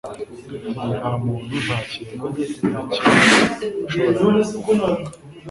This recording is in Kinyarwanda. nta muntu, nta kintu na kimwe, washoboraga kumufunga